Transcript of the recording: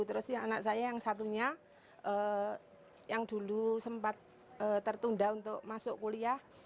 terus anak saya yang satunya yang dulu sempat tertunda untuk masuk kuliah